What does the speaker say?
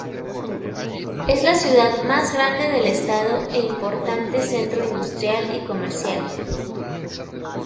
Es la ciudad más grande del estado e importante centro industrial y comercial.